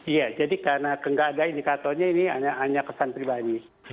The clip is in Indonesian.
iya jadi karena tidak ada indikatornya ini hanya kesan pribadi